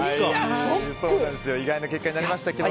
意外な結果になりましたけど